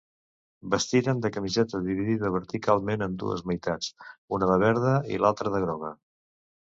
Vestiren de camiseta dividida verticalment en dues meitats, una de verda i l'altra de groga.